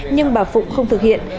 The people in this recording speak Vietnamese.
nhưng bà phụ không thực hiện